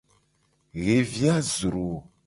Xevi a zro.